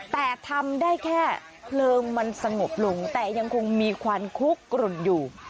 แต่ทำได้แค่เพลิงมันสงบลงแต่ยังคงมีควันคุกกลุ่นอยู่